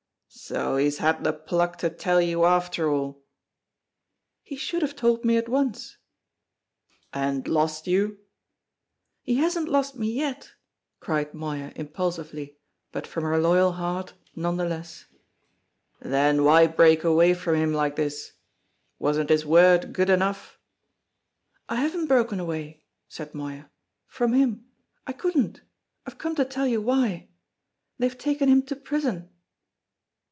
"So he's had the pluck to tell you, after all?" "He should have told me at once." "And lost you?" "He hasn't lost me yet!" cried Moya impulsively, but from her loyal heart none the less. "Then why break away from him like this? Wasn't his word good enough?" "I haven't broken away," said Moya, "from him. I couldn't. I've come to tell you why. They've taken him to prison!"